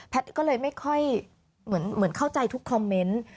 ก็เลยไม่ค่อยเหมือนเข้าใจทุกคอมเมนต์